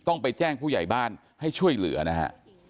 ต้องไปแจ้งผู้ใหญ่บ้านให้ช่วยเหลือนะฮะ